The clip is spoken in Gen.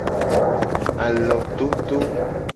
Alododo.